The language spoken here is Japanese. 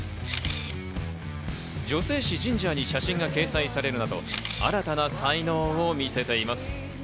女性誌『ＧＩＮＧＥＲ』に写真が掲載されるなど新たな才能を見せています。